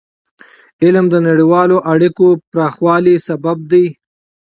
علم د نړیوالو اړیکو پراخوالي سبب دی.